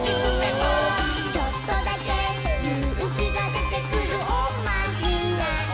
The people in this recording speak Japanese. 「ちょっとだけゆうきがでてくるおまじない」